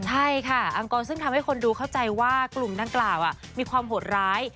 ใช่ค่ะอังกรซึ่งทำให้คนดูเข้าใจว่ากลุ่มดังกล่าวมีความโหดร้าย